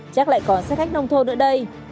chắc lại còn xe khách nông thôn nữa đây